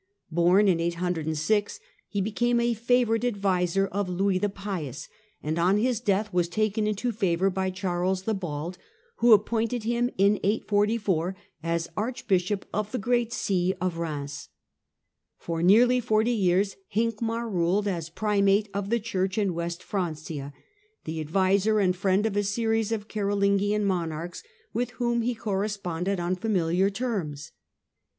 Born in 806, he became a favourite adviser of Louis the Pious, and on his death was taken into favour by Charles the Bald, who appointed him, in S44, as Archbishop of the great See of Bheims. For nearly forty years Hincmar ruled as Primate of the Church in West Francia, the adviser and friend of a series of Carolingian monarchs, with whom he corre sponded on familiar terms.